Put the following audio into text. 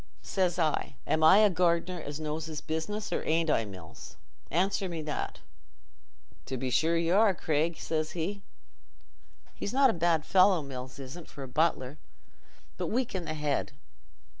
Says I, 'Am I a gardener as knows his business, or arn't I, Mills? Answer me that.' 'To be sure y' are, Craig,' says he—he's not a bad fellow, Mills isn't, for a butler, but weak i' the head.